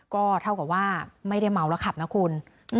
ก็เท่ากับว่าไม่ได้เมาแล้วขับนะคุณ